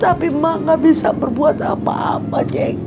tapi mak gak bisa berbuat apa apa ceng